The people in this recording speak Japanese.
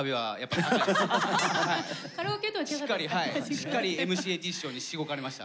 しっかりｍ．ｃ．Ａ・Ｔ師匠にしごかれました。